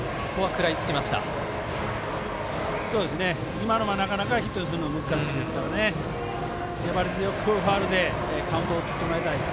今のは、なかなかヒットにするのは難しいですから粘り強くファウルでカウントを。